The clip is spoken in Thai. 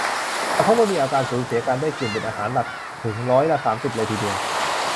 จะพบว่ามีอาการสูญเสียการได้กลิ่นเป็นอาการหลักถึงร้อยละ สามสิบ เลยทีเดียว